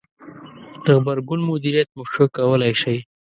-د غبرګون مدیریت مو ښه کولای ش ئ